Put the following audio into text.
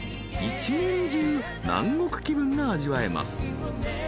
［一年中南国気分が味わえます］